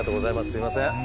すいません。